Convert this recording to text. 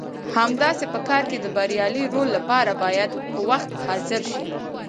همداسې په کار کې د بریالي رول لپاره باید په وخت حاضر شئ.